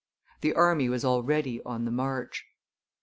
The army was already on the march.